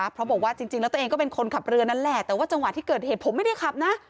เพราะบอกว่าจริงแล้วตัวเองก็เป็นคนขับเรือนั่นแหละแต่ว่าจังหวะที่เกิดเหตุผมไม่ได้ขับนะ